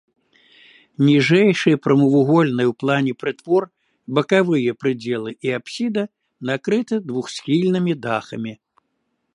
Ніжэйшыя прамавугольныя ў плане прытвор, бакавыя прыдзелы і апсіда накрыты двухсхільнымі дахамі.